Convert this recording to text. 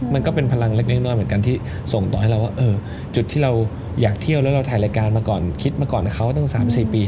มันก็เป็นพลังเล็กน้อยเหมือนกันที่ส่งต่อให้เราว่าจุดที่เราอยากเที่ยวแล้วเราถ่ายรายการมาก่อนคิดมาก่อนเขาตั้ง๓๔ปี